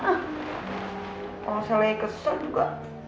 oh selai kesal juga